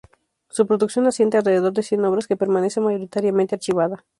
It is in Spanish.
Su producción asciende alrededor de cien obras que permanece mayoritariamente archivada.